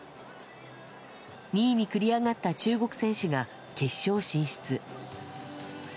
２位に繰り上がった中国選手が、決勝進出。